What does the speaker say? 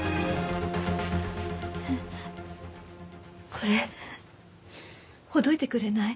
これほどいてくれない？